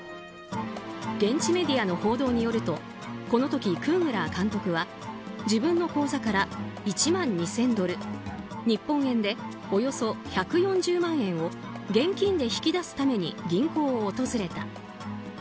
現地メディアの報道によるとこの時、クーグラー監督は自分の口座から１万２０００ドル日本円でおよそ１４０万円を現金で引き出すために銀行を訪れた。